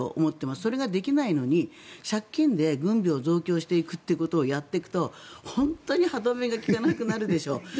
それができないのに借金で軍備を増強していくということをやっていくと本当に歯止めが利かなくなるでしょ。